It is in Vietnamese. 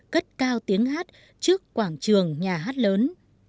cất cao tiếng hát trước quảng trường nhà hát lớn